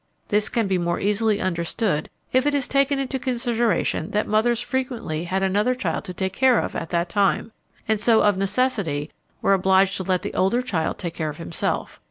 This can be more easily understood if it is taken into consideration that mothers frequently had another child to take care of at that time, and so of necessity were obliged to let the older child take care of himself.